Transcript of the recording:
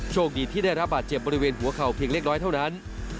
โชคดีที่ได้รับบาดเจ็บบริเวณหัวเข่าเพียงเล็กน้อยเท่านั้น